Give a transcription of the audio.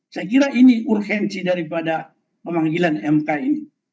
saya kira ini urgensi daripada pemanggilan mk ini